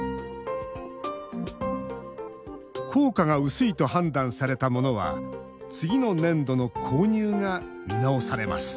効果が薄いと判断されたものは次の年度の購入が見直されます